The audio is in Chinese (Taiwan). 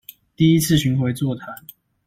第一次巡迴座談